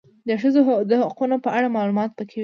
د ښځو د حقونو په اړه معلومات پکي و